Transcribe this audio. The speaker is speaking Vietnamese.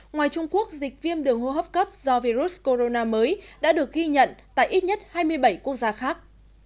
ngoài trung quốc dịch viêm đường hô hấp cấp do virus corona mới đã được ghi nhận tại ít nhất hai mươi bảy quốc gia khác